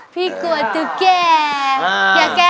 พี่แซ็ก